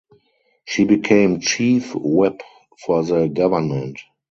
She became chief whip for the government.